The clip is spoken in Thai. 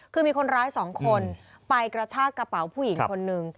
คือมีคนร้าย๒คนไปกระชากระเป๋าผู้หญิงคนหนึ่ง